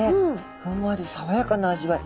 ふんわり爽やかな味わい。